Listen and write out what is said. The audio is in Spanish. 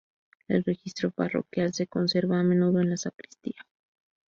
El registro parroquial se conserva a menudo en la sacristía.